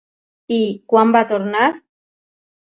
I quan va tornar?